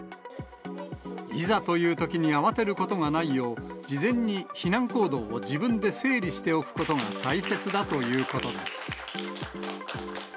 いざというときに慌てることがないよう、事前に避難行動を自分で整理しておくことが大切だということです。